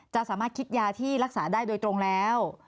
จะสามารถคิดยาที่รักษาได้โดยตรงแล้ว